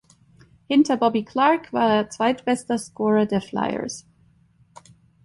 Hinter Bobby Clarke war er zweitbester Scorer der Flyers.